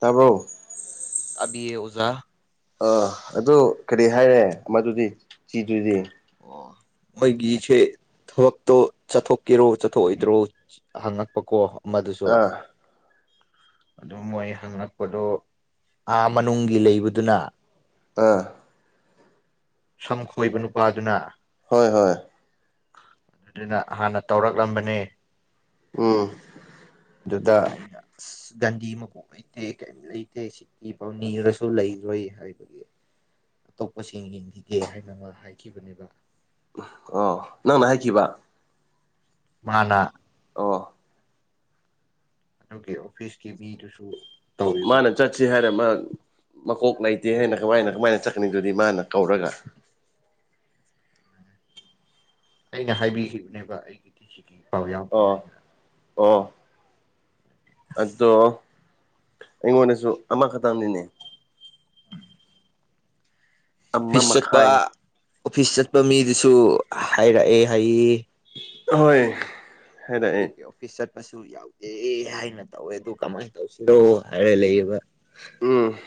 ꯇꯥꯕ꯭ꯔꯣ ꯇꯥꯕꯤꯌꯦ ꯑꯣꯖꯥ ꯑꯥ ꯑꯗꯨ ꯀꯔꯤ ꯍꯥꯏꯔꯦ ꯑꯃꯗꯨꯗꯤ ꯆꯦꯗꯨꯗꯤ ꯑꯣ ꯑꯩꯈꯣꯢꯒꯤꯁꯦ ꯊꯕꯛꯇꯣ ꯆꯠꯊꯣꯛꯀꯦꯔꯣ ꯆꯠꯊꯣꯛꯑꯣꯏꯗ꯭ꯔꯣ ꯍꯪꯉꯛꯄꯀꯣ ꯑꯃꯗꯨꯁꯨ ꯑꯥ ꯑꯗꯨꯝ ꯃꯣꯏ ꯍꯪꯪꯂꯛꯄꯗꯣ ꯑꯥ ꯃꯅꯨꯡꯒꯤ ꯂꯩꯕꯗꯨꯅ ꯑꯥ ꯁꯝ ꯈꯣꯏꯕ ꯅꯨꯄꯥꯗꯨꯅ ꯍꯣꯏ ꯍꯣꯏ ꯑꯗꯨꯅ ꯍꯥꯟꯅ ꯇꯧꯔꯛꯂꯝꯕꯅꯦ ꯎꯝ ꯑꯗꯨꯗ ꯑꯩꯅ ꯒꯥꯟꯙꯤ ꯃꯀꯣꯛ ꯂꯩꯇꯦ ꯀꯩꯝ ꯂꯩꯇꯦ ꯁꯤꯀꯤ ꯐꯥꯎ ꯅꯤꯔꯁꯨ ꯂꯩꯔꯣꯏ ꯍꯥꯏꯕꯒꯤ ꯑꯇꯣꯞꯄꯁꯤꯡ ꯌꯦꯡꯈꯤꯒꯦ ꯍꯥꯏꯅ ꯃ ꯍꯥꯏꯈꯤꯕꯅꯦꯕ ꯑꯣ ꯅꯪꯅ ꯍꯥꯏꯈꯤꯕ ꯃꯥꯅ ꯑꯣ ꯅꯣꯏꯒꯤ ꯑꯣꯐꯤꯁꯀꯤ ꯃꯤꯗꯨꯁꯨ ꯇꯧꯋꯦꯕ ꯃꯥꯅ ꯆꯠꯆꯤ ꯍꯥꯏꯔꯝꯃ ꯃꯀꯣꯛ ꯂꯩꯇꯦ ꯍꯥꯏꯅ ꯀꯃꯥꯏꯅ ꯀꯃꯥꯏꯅ ꯆꯠꯀꯅꯤꯗꯨꯗꯤ ꯃꯥꯅ ꯀꯧꯔꯒ ꯑꯩꯅ ꯍꯥꯏꯕꯤꯈꯤꯕꯅꯦꯕ ꯑꯩꯒꯤꯗꯤ ꯁꯤꯒꯤꯐꯥꯎ ꯌꯥꯎꯗꯦ ꯑꯣ ꯍꯥꯏꯅ ꯑꯣ ꯑꯗꯣ ꯑꯩꯉꯣꯟꯗꯖꯨ ꯑꯃꯈꯥꯇꯪꯅꯤꯅꯦ ꯑꯃ ꯑꯣꯐꯤꯁ ꯆꯠꯄ ꯃꯈꯥꯏ ꯑꯣꯐꯤꯁ ꯆꯠꯄ ꯃꯤꯗꯨꯁꯨ ꯍꯥꯏꯔꯛꯑꯦ ꯍꯥꯏꯌꯦ ꯍꯣꯏ ꯍꯥꯏꯔꯛꯑꯦ ꯑꯗꯨꯒꯤ ꯑꯣꯐꯤꯁ ꯆꯠꯄꯁꯨ ꯌꯥꯎꯗꯦ ꯍꯥꯏꯅ ꯇꯧꯋꯦ ꯑꯗꯨ ꯀꯃꯥꯏ ꯇꯧꯁꯤꯔꯣ ꯍꯥꯏꯔ ꯂꯩꯌꯦꯕ ꯎꯝ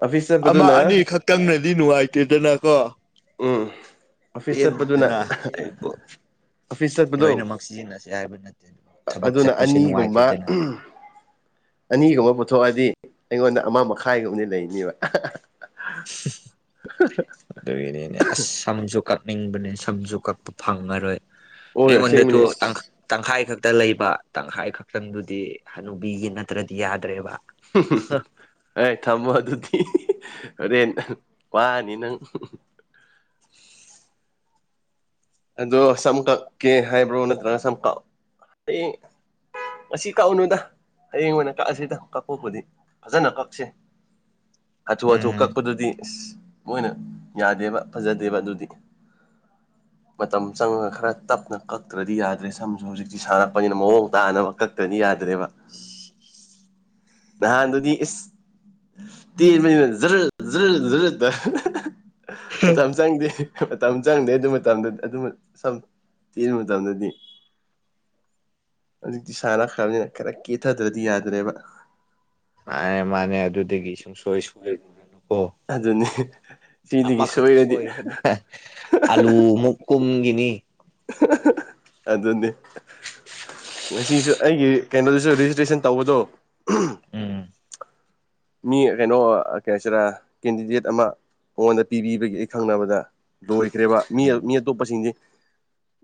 ꯑꯣꯐꯤꯁ ꯑꯃ ꯆꯠꯄꯗꯨꯅ ꯑꯅꯤ ꯈꯛꯇꯪꯅꯗꯤ ꯅꯨꯡꯉꯥꯏꯇꯦꯗꯅꯀꯣ ꯎꯝ ꯑꯣꯐꯤꯁ ꯆꯠꯄꯗꯨꯅ ꯄꯦꯟꯗꯅ ꯑꯍ ꯑꯩꯕꯨ ꯑꯣꯐꯤꯁ ꯆꯠꯄꯗꯣ ꯂꯣꯏꯅꯃꯛ ꯁꯤꯖꯤꯟꯅꯁꯦ ꯍꯥꯏꯕ ꯅꯠꯇꯦ ꯑꯗꯨꯕꯨ ꯑꯥ ꯊꯕꯛ ꯑꯗꯨꯅ ꯆꯠꯄꯁꯦ ꯑꯅꯤꯒꯨꯝꯕ ꯅꯨꯡꯉꯥꯏꯇꯦꯗꯅ ꯎꯝ ꯑꯅꯤꯒꯨꯝꯕ ꯄꯨꯊꯣꯛꯑꯗꯤ ꯑꯩꯉꯣꯟꯗ ꯑꯃ ꯃꯈꯥꯏꯒꯨꯝꯕꯗꯤ ꯂꯩꯅꯦꯕ ꯑꯍ ꯍ ꯑꯍ ꯍ ꯑꯗꯩꯒꯤꯅꯤꯅꯦ ꯑꯁ ꯁꯝꯖꯨ ꯀꯛꯅꯤꯡꯕꯅꯦ ꯁꯝꯖꯨ ꯀꯛꯄ ꯐꯪꯉꯔꯣꯏ ꯑꯣꯏ ꯑꯩꯉꯣꯟꯗꯗꯨ ꯑꯁꯦꯡꯕꯅꯤ ꯇꯪꯈ ꯑꯁ ꯇꯪꯈꯥꯏ ꯈꯛꯇ ꯂꯩꯕ ꯇꯪꯈꯥꯏ ꯈꯛꯇꯪꯗꯨꯗꯤ ꯍꯅꯨꯕꯤꯒꯤ ꯅꯠꯇ꯭ꯔꯗꯤ ꯌꯥꯗ꯭ꯔꯦꯕ [unintelligible] ꯑꯩ ꯊꯝꯃꯣ ꯑꯗꯨꯗꯤ ꯍꯣꯔꯦꯟ ꯋꯥꯅꯤ ꯅꯪ ꯑꯗꯣ ꯁꯝ ꯀꯛꯀꯦ ꯍꯥꯏꯕ꯭ꯔꯣ ꯅꯠꯇ꯭ꯔꯒ ꯁꯝ ꯀꯛ ꯑꯦ ꯉꯁꯤ ꯀꯛꯎꯅꯨꯗ ꯍꯌꯦꯡ ꯑꯣꯏꯅ ꯀꯛꯑꯖꯤꯗ ꯀꯛꯄꯕꯨꯗꯤ ꯐꯖꯅ ꯀꯛꯁꯦ ꯍꯥꯊꯨ ꯍꯥꯊꯨ ꯎꯝ ꯀꯛꯄꯗꯨꯗꯤ ꯑꯁ ꯃꯣꯏꯅ ꯌꯥꯗꯦꯕ ꯐꯖꯗꯦꯕ ꯑꯗꯨꯗꯤ ꯃꯇꯝ ꯆꯪꯉꯒ ꯈꯔ ꯇꯞꯅ ꯀꯛꯇ꯭ꯔꯗꯤ ꯌꯥꯗ꯭ꯔꯦ ꯁꯝꯖꯨ ꯍꯨꯖꯤꯛꯇꯤ ꯁꯥꯡꯉꯛꯄꯅꯤꯅ ꯃꯑꯣꯡ ꯇꯥꯅꯕ ꯀꯛ ꯇꯗꯤ ꯌꯥꯗ꯭ꯔꯦꯕ ꯅꯍꯥꯟꯗꯨꯗꯤ ꯏꯁ ꯇꯦꯟꯕꯅꯤꯅ ꯖꯔ ꯖꯔ ꯖꯔ ꯇ ꯃꯇꯝ ꯆꯪꯗꯦ ꯃꯇꯝ ꯆꯪꯗꯦ ꯑꯗꯨꯃ ꯃꯇꯝꯗ ꯑꯗꯨ ꯁꯝ ꯇꯦꯟꯕ ꯃꯇꯝꯗꯗꯤ ꯍꯧꯖꯤꯛꯇꯤ ꯁꯥꯟꯅꯈ꯭ꯔꯕꯅꯤꯅ ꯈꯔ ꯀꯦꯊꯗ꯭ꯔꯗꯤ ꯌꯥꯗ꯭ꯔꯦꯕ ꯃꯥꯅꯦ ꯃꯥꯅꯦ ꯑꯗꯨꯗꯒꯤ ꯁꯨꯡꯁꯣꯏ ꯁꯣꯏ ꯑꯣ ꯑꯗꯨꯅꯤ ꯁꯤꯗꯒꯤ ꯑꯃꯈꯛ ꯁꯣꯏꯔꯗꯤ ꯁꯣꯏꯕꯅꯦ ꯑꯂꯨ ꯃꯨꯛ ꯀꯨꯝꯒꯤꯅꯤ ꯑꯍ ꯍ ꯑꯗꯨꯅꯤ ꯉꯁꯤꯁꯨ ꯑꯩꯒꯤ ꯀꯩꯅꯣꯖꯨ ꯔꯦꯖꯤꯁꯇ꯭ꯔꯦꯁꯟ ꯇꯧꯕꯗꯣ ꯎꯝ ꯃꯤ ꯀꯩꯅꯣ ꯀꯩ ꯍꯥꯏꯁꯤꯔ ꯀꯦꯟꯗꯤꯗꯦꯠ ꯑꯃ ꯃꯉꯣꯟꯗ ꯄꯤꯕꯤꯕꯒꯤ ꯑꯩ ꯈꯪꯅꯕꯗ ꯂꯣꯏꯈ꯭ꯔꯦꯕ ꯃꯤ ꯎꯝ ꯃꯤ ꯑꯇꯣꯞꯄꯁꯤꯡꯗꯤ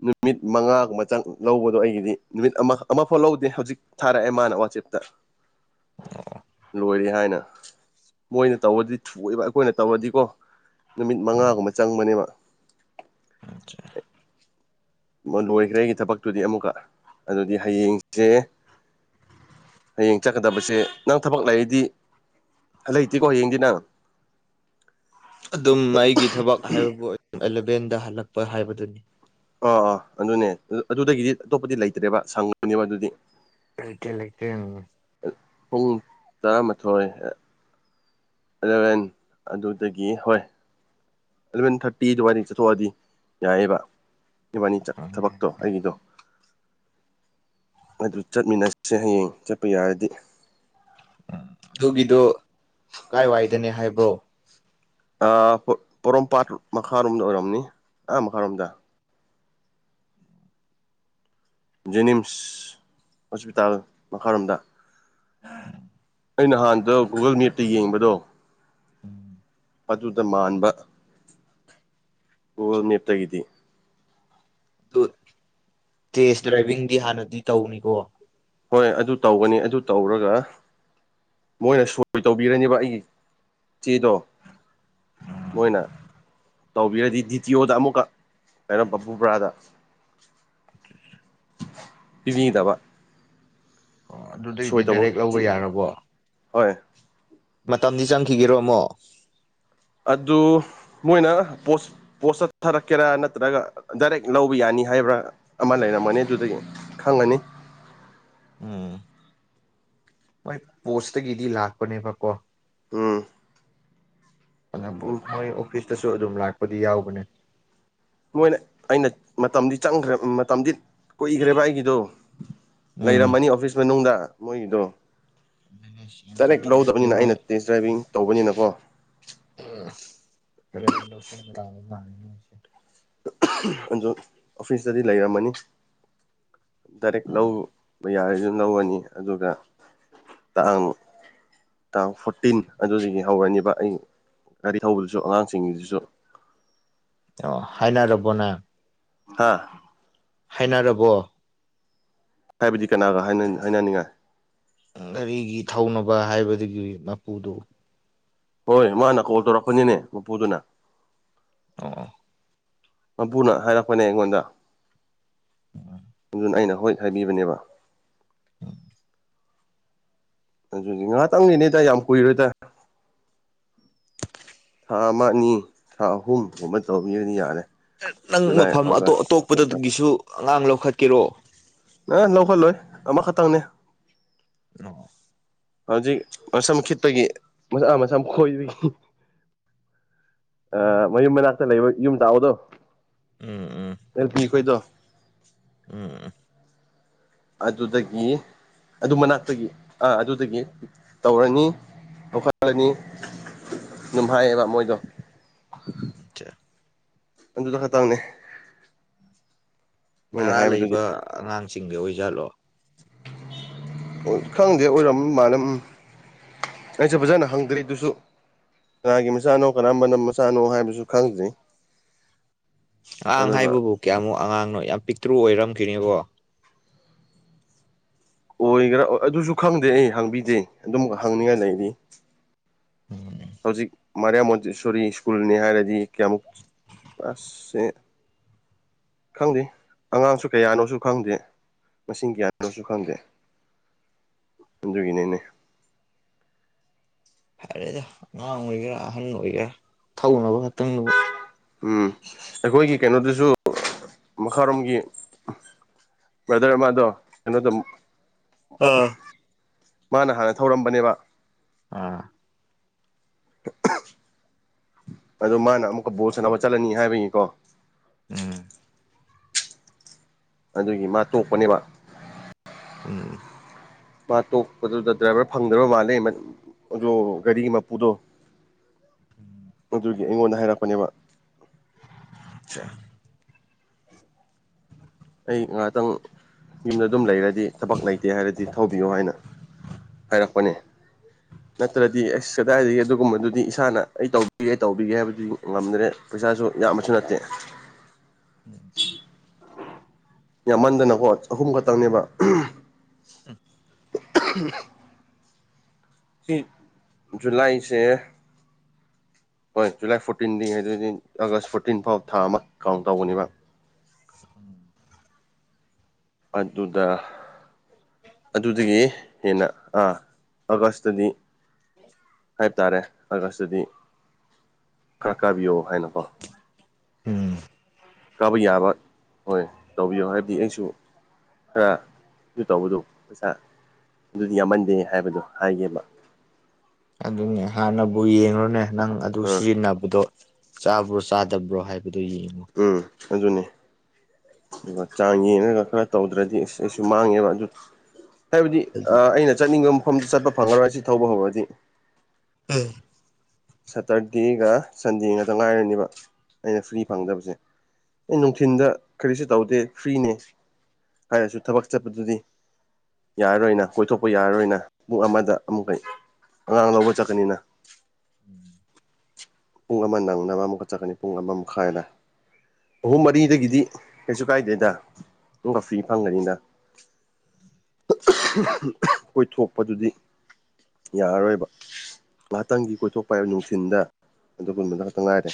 ꯅꯨꯃꯤꯠ ꯃꯉꯥꯒꯨꯝꯕ ꯆꯪ ꯂꯧꯕꯗꯣ ꯑꯩꯒꯤꯗꯤ ꯅꯨꯃꯤꯠ ꯑꯃ ꯑꯃꯐꯛ ꯂꯧꯗꯦ ꯍꯧꯖꯤꯛ ꯊꯥꯔꯛꯑꯦ ꯃꯥꯅ ꯋꯥꯆꯦꯞꯇ ꯂꯣꯏꯔꯦ ꯍꯥꯏꯅ ꯃꯣꯏꯅ ꯇꯧꯕꯗꯤ ꯊꯨꯏꯋꯦꯕ ꯑꯈꯣꯏꯅ ꯇꯧꯔꯗꯤꯀꯣ ꯅꯨꯃꯤꯠ ꯃꯉꯥꯒꯨꯝꯕ ꯆꯪꯕꯅꯦꯕ [unintelligible] ꯃꯥ ꯂꯣꯏꯒ꯭ꯔꯦ ꯑꯩꯒꯤ ꯊꯕꯛꯇꯨꯗꯤ ꯑꯃꯨꯛꯀ ꯑꯗꯨꯗꯤ ꯍꯌꯦꯡꯖꯦ ꯍꯌꯦꯡ ꯆꯠꯀꯗꯕꯁꯦ ꯅꯪ ꯊꯕꯛ ꯂꯩꯔꯗꯤ ꯂꯩꯇꯦꯀꯣ ꯍꯌꯦꯡꯗꯤ ꯅꯪ ꯑꯗꯨꯝ ꯑꯩꯒꯤ ꯊꯕꯛ ꯍꯥꯏꯕꯕꯨ ꯑꯂꯚꯦꯟꯗ ꯍꯜꯂꯛꯄ ꯍꯥꯏꯕꯗꯨꯅꯤ ꯑꯣ ꯑꯣ ꯑꯗꯨꯅꯦ ꯑꯗꯨ ꯑꯗꯨꯗꯒꯤꯗꯤ ꯑꯇꯣꯞꯄꯗꯤ ꯂꯩꯇ꯭ꯔꯦꯕ ꯁꯪꯉꯅꯦꯕ ꯑꯗꯨꯗꯤ ꯂꯩꯇ꯭ꯔꯦ ꯂꯩꯇ꯭ꯔꯦ ꯎꯝ ꯄꯨꯡ ꯇꯔꯥꯃꯊꯣꯏ ꯑꯦꯂꯚꯦꯟ ꯑꯗꯨꯗꯒꯤ ꯍꯣꯏ ꯑꯦꯂꯕꯦꯟ ꯊꯥꯔꯇꯤ ꯑꯗꯨꯋꯥꯏꯗꯩ ꯆꯠꯊꯣꯛꯑꯗꯤ ꯌꯥꯏꯑꯦꯕ ꯏꯕꯥꯅꯤ ꯆꯠ ꯊꯕꯛꯇꯣ ꯑꯩꯒꯤꯗꯣ ꯑꯗꯨ ꯆꯠꯃꯤꯟꯅꯁꯦ ꯍꯌꯦꯡ ꯆꯠꯄ ꯌꯥꯔꯗꯤ ꯑꯗꯨꯒꯤꯗꯣ ꯀꯥꯏꯋꯥꯏꯗꯅꯦ ꯍꯥꯏꯕ꯭ꯔꯣ ꯑꯥ ꯄꯣ ꯄꯣꯔꯣꯝꯄꯥꯠ ꯃꯈꯥꯔꯣꯝꯗ ꯑꯣꯏꯔꯝꯅꯤ ꯑꯥ ꯃꯈꯔꯣꯝꯗ ꯖꯦꯅꯤꯝꯁ ꯍꯣꯁꯄꯤꯇꯥꯜ ꯃꯈꯔꯣꯝꯗ [inaudible] ꯑꯩ ꯅꯍꯥꯟꯗꯣ ꯒꯨꯒꯜ ꯃꯤꯞꯇ ꯌꯦꯡꯕꯗꯣ ꯑꯗꯨꯗ ꯃꯥꯟꯕ ꯒꯨꯒꯜ ꯃꯦꯞꯇꯒꯤꯗꯤ ꯑꯗꯨ ꯇꯦꯁ ꯗ꯭ꯔꯥꯏꯚꯤꯡꯗꯤ ꯍꯥꯟꯅꯗꯤ ꯇꯧꯅꯤꯀꯣ ꯍꯣꯏ ꯑꯗꯨ ꯇꯧꯒꯅꯤ ꯑꯗꯨ ꯇꯧꯔꯒ ꯃꯣꯏꯅ ꯁꯣꯏ ꯇꯧꯕꯤꯔꯅꯤꯕ ꯑꯩꯒꯤ ꯆꯦꯗꯣ ꯃꯣꯏꯅ ꯇꯧꯕꯤꯔꯗꯤ ꯗꯤꯇꯤ ꯑꯣꯗ ꯑꯃꯨꯛꯀ ꯀꯩꯅꯣ ꯕꯥꯄꯨꯕ꯭ꯔꯥꯗ ꯄꯤꯕꯤꯗꯕ ꯑꯣ ꯑꯗꯨꯗꯩꯗꯤ ꯁꯣꯏ ꯇꯧꯕ ꯗꯥꯏꯔꯦꯛ ꯂꯧꯕ ꯌꯥꯔꯕꯣ ꯍꯣꯏ ꯃꯇꯝꯗꯤ ꯆꯪꯈꯤꯒꯦꯔꯣ ꯑꯃꯨꯛ ꯑꯗꯨ ꯃꯣꯏꯅ ꯄꯣꯁ ꯄꯣꯁꯇ ꯊꯔꯛꯀꯦꯔ ꯅꯠꯇ꯭ꯔꯒ ꯗꯥꯏꯔꯦꯛ ꯂꯧꯕ ꯌꯥꯅꯤ ꯍꯥꯏꯕ꯭ꯔꯥ ꯑꯃ ꯂꯩꯔꯝꯃꯅꯤ ꯑꯗꯨꯗꯒꯤ ꯈꯪꯉꯅꯤ ꯎꯝ ꯍꯣꯏ ꯄꯣꯁꯇꯒꯤꯗꯤ ꯂꯥꯛꯄꯅꯦꯕꯀꯣ ꯎꯝ ꯑꯗꯨꯕꯨ ꯃꯣꯏ ꯑꯣꯐꯤꯁꯇꯁꯨ ꯑꯗꯨꯝ ꯂꯥꯛꯄꯗꯤ ꯌꯥꯎꯕꯅꯦ ꯃꯣꯏꯅ ꯑꯩꯅ ꯃꯇꯝꯗꯤ ꯆꯪꯈ꯭ꯔꯦꯞ ꯃꯇꯝꯗꯤ ꯀꯨꯏꯒ꯭ꯔꯦꯕ ꯑꯩꯒꯤꯗꯨ ꯎꯝ ꯂꯩꯔꯝꯃꯅꯤ ꯑꯣꯐꯤꯁ ꯃꯅꯨꯡꯗ ꯃꯣꯏꯒꯤꯗꯣ ꯑꯗꯨꯅꯦ ꯁꯤ ꯌꯥꯝ ꯗꯥꯏꯔꯦꯛ ꯆꯥꯅꯤꯡꯕꯒꯤ ꯂꯧꯗꯕꯅꯤꯅ ꯑꯩꯅ ꯃꯣꯏ ꯇꯦꯁ ꯗ꯭ꯔꯥꯏꯚꯤꯡ ꯇꯧꯕꯅꯤꯅꯀꯣ ꯎꯝ [unintelligible] ꯑꯗꯨ ꯑꯣꯐꯤꯁꯇꯗꯤ ꯂꯩꯔꯝꯃꯅꯤ ꯗꯥꯏꯔꯦꯛ ꯂꯧ ꯕꯥ ꯌꯥꯔꯗꯤ ꯑꯗꯨꯝ ꯂꯧꯔꯅꯤ ꯑꯗꯨꯒ ꯇꯥꯑꯪ ꯇꯥꯡ ꯐꯣꯔꯇꯤꯟ ꯑꯗꯨꯗꯒꯤ ꯍꯧꯔꯅꯤꯕ ꯑꯩ ꯒꯥꯔꯤ ꯊꯧꯕꯗꯨꯁꯨ ꯑꯉꯥꯡꯁꯤꯡꯒꯤꯗꯨꯁꯨ ꯑꯣ ꯍꯥꯏꯅꯔꯕꯣ ꯅꯥ ꯍꯥꯥ ꯍꯥꯏꯅꯔꯕꯣ ꯍꯥꯏꯕꯗꯤ ꯀꯅꯥꯒ ꯍꯥꯏꯅꯟ ꯍꯥꯏꯅꯅꯤꯡꯉꯥꯏ ꯒꯤꯔꯤꯒꯤ ꯊꯧꯅꯕ ꯍꯥꯏꯕꯗꯨꯒꯤ ꯃꯄꯨꯗꯨ ꯍꯣꯏ ꯃꯥꯅ ꯀꯣꯜ ꯇꯧꯔꯛꯄꯅꯤꯅꯦ ꯃꯄꯨꯗꯨꯅ ꯑꯣ ꯑꯣ ꯃꯄꯨꯅ ꯍꯥꯏꯔꯛꯄꯅꯦ ꯑꯩꯉꯣꯟꯗ ꯑꯗꯨꯅ ꯑꯩꯅ ꯍꯣꯏ ꯍꯥꯏꯕꯤꯕꯅꯦꯕ ꯑꯗꯨꯒꯤ ꯉꯍꯥꯛꯇꯪꯒꯤꯅꯤꯗ ꯌꯥꯝ ꯀꯨꯏꯔꯣꯏꯗ ꯊꯥ ꯑꯃ ꯑꯅꯤ ꯊꯥ ꯑꯍꯨꯝ ꯒꯨꯝꯕ ꯇꯧꯕꯤꯔꯗꯤ ꯌꯥꯔꯦ ꯑꯥ ꯅꯪ ꯖꯨꯂꯥꯏ ꯃꯐꯝ ꯑꯇꯣꯞ ꯑꯥꯒꯁ ꯁꯦꯞꯇꯦꯝꯕꯔ ꯑꯇꯣꯞꯄꯗꯒꯤꯁꯨ ꯑꯉꯥꯡ ꯂꯧꯈꯠꯀꯦꯔꯣ ꯅ ꯂꯧꯈꯠꯂꯣꯏ ꯑꯃ ꯈꯛꯇꯪꯅꯦ [unintelligible] ꯍꯧꯖꯤꯛ ꯑꯔꯁꯝꯈꯤꯠꯇꯒꯤ ꯃꯁꯥꯅ‌ ꯃꯁꯝ ꯐꯣꯏꯕꯒꯤ ꯑꯥ ꯃꯌꯨꯝ ꯃꯅꯥꯛꯇ ꯂꯩꯕ ꯌꯨꯝ ꯇꯥꯕꯗꯣ ꯎꯝ ꯎꯝ ꯑꯦꯜ ꯄꯤ ꯈꯣꯏꯗꯣ ꯎꯝ ꯎꯝ ꯑꯗꯨꯗꯒꯤ ꯑꯗꯨ ꯃꯅꯥꯛꯇꯒꯤ ꯑꯥ ꯑꯗꯨꯗꯒꯤ ꯇꯧꯔꯅꯤ ꯂꯧꯈꯠꯂꯅꯤ ꯑꯗꯨꯝ ꯍꯥꯏꯌꯦꯕ ꯃꯣꯏꯗꯣ ꯆꯠ ꯑꯗꯨꯗꯣ ꯈꯇꯪꯅꯦ ꯚꯔꯥ ꯂꯩꯕ ꯑꯉꯥꯡꯁꯤꯡꯗ ꯑꯣꯏꯖꯥꯠꯂꯣ ꯑꯣꯏ ꯈꯪꯗꯦ ꯑꯣꯏꯔꯝ ꯃꯥꯅ ꯎꯝ ꯑꯩꯖꯨ ꯐꯖꯅ ꯍꯪꯗ꯭ꯔꯤ ꯑꯗꯨꯖꯨ ꯀꯅꯥꯒꯤ ꯃꯆꯥꯅꯣ ꯀꯔꯝꯕꯅ ꯃꯆꯥꯅꯣ ꯍꯥꯏꯕꯖꯨ ꯈꯪꯗ꯭ꯔꯤ ꯑꯉꯥꯡ ꯑꯗꯨꯒ ꯍꯥꯏꯕꯕꯨ ꯀꯌꯥꯃꯨꯛ ꯑꯉꯥꯡꯅꯣ ꯌꯥꯝ ꯄꯤꯛꯇ꯭ꯔꯨ ꯑꯣꯏꯔꯝꯈꯤꯅꯤꯀꯣ ꯑꯣꯏꯒꯦꯔꯥ ꯑꯥ ꯑꯗꯨꯖꯨ ꯈꯪꯗꯦ ꯑꯩ ꯍꯪꯕꯤꯗꯦ ꯑꯗꯨꯝ ꯍꯪꯅꯤꯡꯉꯥꯏ ꯂꯩꯔꯤ [inaudible] ꯍꯧꯖꯤꯛ ꯃꯔꯤꯌꯥ ꯃꯣꯟꯇꯦꯁꯣꯔꯤ ꯁ꯭ꯀꯨꯜꯅꯦ ꯍꯥꯏꯔꯗꯤ ꯀꯌꯥꯃꯨꯛ ꯑꯁ ꯈꯪꯗꯦ ꯑꯉꯥꯡꯁꯨ ꯀꯌꯥꯅꯣꯁꯨ ꯈꯪꯗꯦ ꯃꯁꯤꯡ ꯀꯌꯥꯅꯣꯁꯨ ꯈꯪꯗꯦ ꯑꯗꯨꯒꯤꯅꯦꯅꯦ ꯐꯔꯦꯗ ꯑꯉꯥꯡ ꯑꯣꯏꯒꯦꯔꯥ ꯑꯍꯟ ꯑꯣꯏꯒꯦꯔꯥ ꯊꯧꯅꯕ ꯈꯛꯇꯪꯗꯨꯕꯨ ꯎꯝ ꯑꯩꯈꯣꯏꯒꯤ ꯀꯩꯅꯣꯗꯁꯨ ꯃꯈꯥꯔꯣꯝꯒꯤ ꯕ꯭ꯔꯗ꯭ꯔ ꯑꯃꯥꯗꯣ ꯀꯩꯅꯣꯗꯨꯝ ꯑꯥ ꯃꯥꯅ ꯍꯥꯟꯅ ꯊꯧꯔꯝꯕꯅꯦꯕ ꯑꯥ ꯑꯗꯨ ꯃꯥꯅ ꯑꯃꯨꯛꯀ ꯕꯣꯜ ꯁꯥꯟꯅꯕ ꯆꯠꯂꯅꯤ ꯍꯥꯏꯕꯒꯤꯀꯣ ꯎꯝ ꯑꯗꯨꯒꯤ ꯃꯥ ꯇꯣꯛꯄꯅꯦꯕ ꯎꯝ ꯃꯥ ꯇꯣꯛꯄꯗꯨꯗ ꯗ꯭ꯔꯥꯏꯚ꯭ꯔ ꯐꯪꯗ꯭ꯔꯥꯕ ꯃꯥꯜꯂꯦ ꯃ ꯑꯗꯨ ꯒꯥꯔꯤꯒꯤ ꯃꯄꯨꯗꯣ ꯑꯗꯨꯒꯤ ꯑꯩꯉꯣꯟꯗ ꯍꯥꯏꯔꯛꯄꯅꯦꯕ ꯆꯥ ꯑꯩ ꯉꯍꯥꯛꯇꯪ ꯌꯨꯝꯗ ꯑꯗꯨꯝ ꯂꯩꯔꯗꯤ ꯊꯕꯛ ꯂꯩꯇꯦ ꯍꯥꯏꯔꯗꯤ ꯊꯧꯕꯤꯌꯣ ꯍꯥꯏꯅ ꯍꯥꯏꯔꯛꯄꯅꯦ ꯅꯠꯇ꯭ꯔꯗꯤ ꯑꯩꯁ ꯀꯗꯥꯏꯗꯒꯤ ꯑꯗꯨꯒꯨꯝꯕꯗꯨꯗꯤ ꯏꯁꯥꯅ ꯑꯩ ꯇꯧꯕꯤꯒꯦ ꯇꯧꯕꯤꯒꯦ ꯍꯥꯏꯕꯗꯨꯗꯤ ꯉꯝꯗ꯭ꯔꯦ ꯄꯩꯁꯥꯁꯨ ꯌꯥꯝꯕꯁꯨ ꯅꯠꯇꯦ [inaudible] ꯌꯥꯝꯃꯟꯗꯅꯀꯣ ꯑꯍꯨꯝ ꯈꯛꯇꯪꯅꯦꯕ [unintelligible] [unintelligible] ꯑꯦ ꯖꯨꯂꯥꯏꯁꯦ ꯍꯣꯏ ꯖꯨꯂꯥꯏ ꯐꯣꯔꯇꯤꯟꯗꯤ ꯑꯗꯨꯗꯤ ꯑꯥꯒꯁ ꯐꯣꯔꯇꯤꯟ ꯐꯥꯎ ꯊꯥ ꯑꯃ ꯀꯥꯎꯟ ꯇꯧꯕꯅꯦꯕ [inaudible] ꯑꯗꯨꯗ ꯑꯗꯨꯗꯨꯒꯤ ꯍꯦꯟꯅ ꯑꯥ ꯑꯒꯁꯇꯗꯤ ꯍꯥꯏ ꯇꯥꯔꯦ ꯑꯥꯒꯁꯇꯗꯤ ꯈꯔ ꯀꯥꯕꯤꯌꯣ ꯍꯥꯏꯅꯀꯣ ꯎꯝ ꯀꯥꯕ ꯌꯥꯕ ꯍꯣꯏ ꯇꯧꯕꯤꯌꯣ ꯍꯥꯏꯕꯗꯤ ꯑꯩꯁꯨ ꯈꯔ ꯑꯗꯨ ꯇꯧꯕꯗꯨ ꯄꯩꯁꯥ ꯑꯗꯨꯗꯤ ꯌꯥꯝꯃꯟꯗꯦ ꯍꯥꯏꯕꯗꯣ ꯍꯥꯏꯒꯦꯕ ꯑꯗꯨꯅꯦ ꯍꯥꯟꯅꯕꯨ ꯌꯦꯡꯉꯨꯅꯦ ꯅꯪ ꯑꯗꯨ ꯑꯥ ꯁꯤꯖꯤꯟꯅꯕꯗꯣ ꯆꯥꯕ꯭ꯔꯣ ꯆꯥꯗꯕ꯭ꯔꯣ ꯍꯥꯏꯕꯗꯨ ꯌꯦꯡꯉꯣ ꯎꯝ ꯑꯗꯨꯅꯦ ꯑꯗꯨꯒ ꯆꯥꯡ ꯌꯦꯡꯔꯒ ꯈꯔ ꯇꯧꯗ꯭ꯔꯗꯤ ꯑꯁ ꯑꯩꯁꯨ ꯃꯥꯡꯉꯦꯕ ꯑꯗꯨ ꯍꯥꯏꯕꯗꯤ ꯑꯗꯨ ꯑꯥ ꯑꯩꯅ ꯆꯠꯅꯤꯡꯕ ꯃꯐꯝꯗ ꯆꯠꯄ ꯐꯪꯉꯔꯣꯏ ꯁꯤ ꯊꯧꯕ ꯍꯧꯔꯗꯤ ꯑꯦ ꯁꯦꯠꯇꯔꯗꯦꯒ ꯁꯟꯗꯦꯒꯗꯣ ꯉꯥꯏꯔꯅꯤꯕ ꯑꯩꯅ ꯐ꯭ꯔꯤ ꯐꯪꯗꯕꯁꯦ ꯑꯩ ꯅꯨꯡꯊꯤꯟꯗ ꯀꯔꯤꯁꯨ ꯇꯧꯗꯦ ꯐ꯭ꯔꯤꯅꯦ ꯍꯥꯏꯔꯁꯨ ꯊꯕꯛ ꯆꯠꯄꯗꯨꯗꯤ ꯌꯥꯔꯔꯣꯏꯅ ꯀꯣꯏꯊꯣꯛꯄ ꯌꯥꯔꯔꯣꯏꯅ ꯄꯨꯡ ꯑꯃꯗ ꯑꯃꯨꯛꯀ ꯑꯉꯥꯡ ꯂꯧꯕ ꯆꯠꯀꯅꯤꯅ ꯄꯨꯡ ꯑꯃ ꯅꯪꯅꯕ ꯑꯃꯨꯛꯀ ꯆꯠꯀꯅꯤ ꯄꯨꯡ ꯑꯃ ꯃꯈꯥꯏꯗ ꯑꯍꯨꯝ ꯃꯔꯤꯗꯒꯤꯗꯤ ꯀꯩꯁꯨ ꯀꯥꯏꯗꯦꯗ ꯃꯨꯛꯀ ꯐ꯭ꯔꯤ ꯐꯪꯒꯅꯤꯅ ꯀꯣꯏꯊꯣꯛꯄꯗꯨꯗꯤ ꯌꯥꯔꯔꯣꯏꯕ ꯉꯥꯛꯇꯪꯒꯤ ꯀꯣꯏꯊꯣꯛꯄ ꯍꯥꯏꯕ ꯅꯨꯡꯊꯤꯟꯗ ꯑꯗꯨꯒꯨꯝꯕꯗ ꯈꯛꯇꯪ ꯉꯥꯏꯔꯦ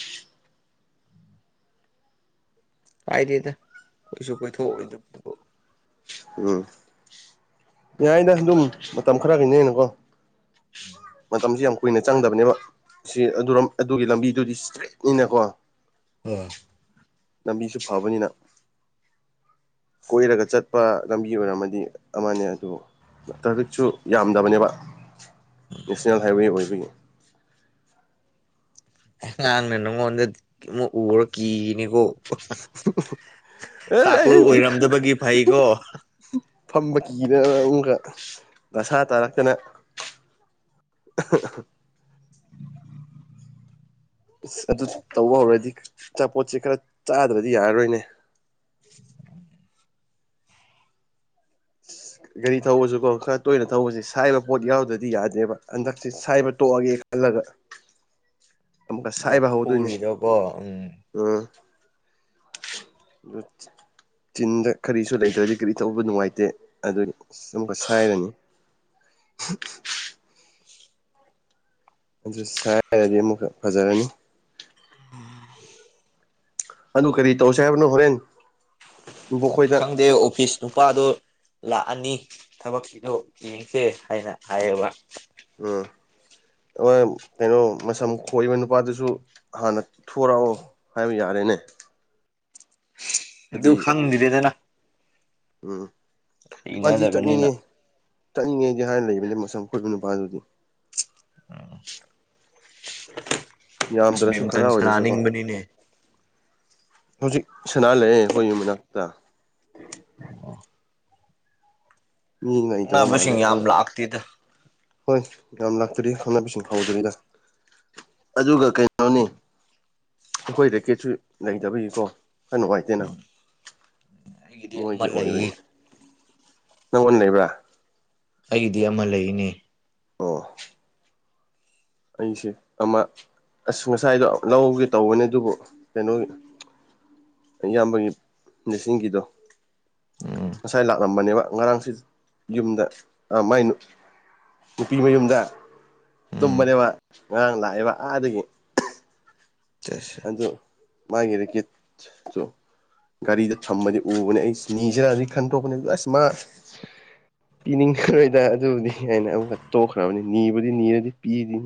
ꯀꯥꯏꯗꯦꯗ ꯀꯣꯏꯁꯨ ꯀꯣꯏꯊꯣꯛ ꯑꯣꯏꯗꯕꯗꯨꯕꯨ ꯎꯝ ꯌꯥꯏꯗ ꯑꯗꯨꯝ ꯃꯇꯝ ꯈꯔꯒꯤꯅꯤꯅꯀꯣ ꯃꯇꯝꯁꯤ ꯌꯥꯝ ꯀꯨꯏꯅ ꯆꯪꯗꯕꯅꯦꯕ ꯁꯤ ꯑꯗꯨꯔꯣꯝ ꯑꯗꯨꯒꯤ ꯂꯝꯕꯤꯗꯨꯗꯤ ꯁꯇ꯭ꯔꯦꯠꯅꯤꯅꯀꯣ ꯑꯣ ꯂꯝꯕꯤꯁꯨ ꯐꯕꯅꯤꯅ ꯀꯣꯏꯔꯒ ꯆꯠꯄ ꯂꯝꯕꯤ ꯑꯣꯏꯔꯝꯃꯗꯤ ꯑꯃꯅꯦ ꯑꯗꯨ ꯇ꯭ꯔꯥꯐꯤꯛꯁꯨ ꯌꯥꯝꯗꯕꯅꯦꯕ ꯅꯦꯁꯅꯦꯜ ꯍꯥꯏꯋꯦ ꯑꯣꯏꯕꯒꯤ ꯑꯉꯥꯡꯅ ꯅꯉꯣꯟꯗ ꯑꯃꯨꯛ ꯎꯔꯒ ꯀꯤꯅꯤꯀꯣ ꯑꯦ ꯗꯥꯛꯀꯨ ꯑꯩꯗꯤ ꯑꯣꯢꯔꯝꯗꯕꯒꯤ ꯐꯩꯀꯣ ꯐꯝꯕ ꯀꯤꯗꯅ ꯑꯃꯨꯛꯀ ꯗꯥꯁꯥ ꯇꯥꯔꯛꯇꯅ [inaudible] ꯑꯁ ꯑꯗꯨ ꯇꯧꯕ ꯍꯧꯔꯗꯤ ꯑꯆꯥꯄꯣꯠꯆꯦ ꯈꯔ ꯆꯥꯗ꯭ꯔꯗꯤ ꯌꯥꯔꯔꯣꯏꯅꯦ [inaudible] ꯒꯔꯤ ꯊꯧꯕꯁꯨꯀꯣ ꯈꯔ ꯇꯣꯏꯅ ꯊꯧꯕꯁꯦ ꯁꯥꯏꯕ ꯄꯣꯠ ꯌꯥꯎꯗꯗꯤ ꯌꯥꯗꯦꯕ ꯍꯟꯗꯛꯁꯦ ꯁꯥꯏꯕ ꯇꯣꯛꯑꯒꯦ ꯈꯜꯂꯒ ꯑꯃꯨꯛꯀ ꯂꯣꯛ ꯁꯥꯏꯕ ꯍꯧꯗꯣꯏꯅꯦ ꯈꯨꯔꯤꯗꯣ ꯀꯣ ꯎꯝ ꯎꯝ ꯗꯨꯠ ꯆꯤꯟꯗ ꯀꯔꯤꯁꯨ ꯂꯩꯇ꯭ꯔꯗꯤ ꯀꯔꯤ ꯇꯧꯕ ꯅꯨꯡꯉꯥꯏꯇꯦ ꯑꯗꯨꯒꯤ ꯑꯃꯨꯛꯀ ꯁꯥꯏꯔꯅꯤ [inaudible] ꯑꯗꯨ ꯁꯥꯏꯔꯅꯤ ꯑꯃꯨꯛꯀ ꯐꯖꯔꯅꯤ [inaudible] ꯑꯗꯨ ꯀꯔꯤ ꯇꯧꯁꯦ ꯍꯥꯏꯕꯅꯣ ꯍꯣꯔꯦꯟ ꯕꯣꯛꯈꯣꯏꯗ ꯈꯪꯗꯦ ꯑꯣꯐꯤꯁ ꯅꯨꯄꯥꯗꯣ ꯂꯥꯛꯑꯅꯤ ꯊꯕꯛꯀꯤꯗꯣ ꯌꯦꯡꯁꯦ ꯍꯥꯏꯅ ꯍꯥꯏꯌꯦꯕ ꯑꯥ ꯑꯣꯏ ꯀꯩꯅꯣ ꯃꯁꯝ ꯈꯣꯏꯕ ꯅꯨꯄꯥꯗꯨꯁꯨ ꯍꯥꯟꯅ ꯊꯣꯔꯛꯑꯣ ꯍꯥꯏꯕ ꯌꯥꯔꯦꯅꯦ ꯗꯨ ꯑꯗꯨꯗꯤ ꯈꯪꯗꯦꯗꯦꯗꯦꯅ ꯎꯝ ꯄꯥꯟꯖꯤ ꯍꯩꯅꯗꯕꯅꯤꯅ ꯆꯠꯅꯤꯡꯉꯤ ꯆꯠꯅꯤꯡꯉꯦꯗꯤ ꯍꯥꯢꯔ ꯂꯩꯕꯅꯦ ꯃꯁꯝ ꯈꯣꯢꯕ ꯅꯨꯄꯥꯗꯨꯗꯤ ꯑꯁ ꯌꯥꯝꯗ꯭ꯔꯁꯨ ꯈꯔ ꯕꯦꯝꯇꯟ ꯑꯣꯢꯔꯁꯨꯀꯣ ꯁꯥꯟꯅꯅꯤꯡꯕꯅꯤꯅꯦ ꯍꯧꯖꯤꯛ ꯁꯅꯥ ꯂꯩꯑꯦ ꯑꯩꯈꯣꯢ ꯌꯨꯝ ꯃꯅꯥꯛꯇ ꯃꯤ ꯂꯩꯇꯕ ꯃꯥꯜꯂꯦ ꯈꯪꯅꯕꯁꯤꯡ ꯑꯣ ꯌꯥꯝ ꯂꯥꯛꯇꯦꯗ ꯍꯣꯢ ꯌꯥꯝ ꯂꯥꯛꯇ꯭ꯔꯤ ꯈꯪꯅꯕꯤꯁꯤꯡ ꯍꯧꯗ꯭ꯔꯤꯗ ꯑꯗꯨꯒ ꯀꯩꯅꯣꯅꯦ ꯑꯩꯈꯣꯏ ꯔꯦꯀꯦꯠꯁꯨ ꯂꯩꯇꯕꯒꯤꯀꯣ ꯈꯔ ꯅꯨꯡꯉꯥꯏꯇꯦꯅ ꯑꯩꯒꯤꯗꯤ ꯑꯃ ꯃꯣꯏꯒꯤ ꯑꯣꯏꯕꯩ ꯂꯩꯌꯦ ꯅꯪꯉꯣꯟ ꯂꯩꯕ꯭ꯔꯥ ꯑꯩꯒꯤꯗꯤ ꯑꯃ ꯂꯩꯌꯦꯅꯦ ꯑꯣ ꯑꯩꯁꯦ ꯑꯃ ꯑꯁ ꯉꯁꯥꯏꯗꯣ ꯂꯧꯒꯦ ꯇꯧꯕꯅꯦ ꯑꯗꯨꯕꯨ ꯀꯩꯅꯣꯒꯤ ꯏꯌꯥꯝꯕꯒꯤ ꯅꯤꯁꯤꯡꯒꯤꯗꯣ ꯎꯝ ꯉꯁꯥꯏ ꯂꯥꯛꯂꯝꯕꯅꯦꯕ ꯉꯔꯥꯡꯁꯤ ꯌꯨꯝꯗ ꯑꯥ ꯃꯥꯏ ꯅꯨ ꯅꯨꯄꯤ ꯃꯌꯨꯝꯗ ꯎꯝ ꯇꯨꯝꯕꯅꯦꯕ ꯉꯔꯥꯡ ꯂꯥꯛꯑꯦꯕ ꯑꯥꯗꯒꯤ ꯁꯦꯁ ꯗꯣ ꯃꯥꯒꯤ ꯔꯦꯀꯤꯠꯆꯣ ꯒꯥꯔꯤꯗ ꯊꯝꯃꯗꯤ ꯎꯕꯅꯦ ꯑꯩ ꯅꯤꯖꯦꯔꯗꯤ ꯈꯟꯇꯣꯛꯄꯅꯦꯗꯨ ꯑꯁ ꯃꯥ ꯄꯤꯅꯤꯡꯈ꯭ꯔꯣꯏꯗ ꯑꯗꯨꯕꯨꯗꯤ ꯍꯦꯅ ꯑꯃꯨꯛꯀ ꯇꯣꯛꯈ꯭ꯔꯕꯅꯤ ꯅꯤꯕꯨꯗꯤ ꯅꯤꯔꯗꯤ ꯄꯤꯅꯤ